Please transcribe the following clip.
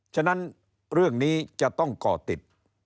ฉะนั้นเรื่องนี้จะต้องก่อติด